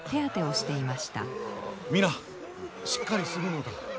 皆しっかりするのだ。